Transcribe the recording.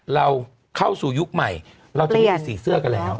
เราเข้าสู่ยุคใหม่เราจะไม่มีสีเสื้อกันแล้ว